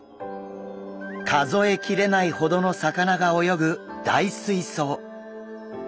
数えきれないほどの魚が泳ぐ大水槽。